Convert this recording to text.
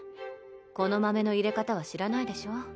この豆のいれ方は知らないでしょ。